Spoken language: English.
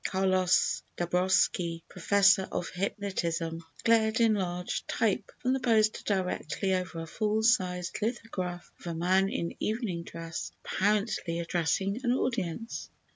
"Carlos Dabroski, Professor of Hypnotism," glared in large type from the poster directly over a full sized lithograph of a man in evening dress, apparently addressing an audience.